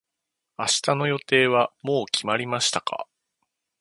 明日の予定はもう決まりましたか。